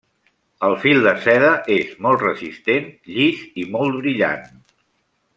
El fil de seda és molt resistent, llis i molt brillant.